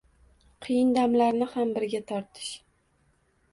qiyin damlarni ham birga totish